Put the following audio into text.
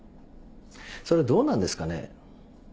それどうなんですかね？